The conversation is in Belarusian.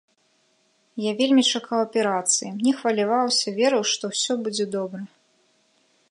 Я вельмі чакаў аперацыі, не хваляваўся, верыў, што ўсё будзе добра.